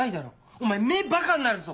お前目バカになるぞ！